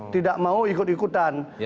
tidak mau ikut ikutan